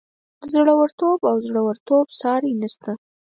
د زړه ورتوب او زورورتوب ساری نشته.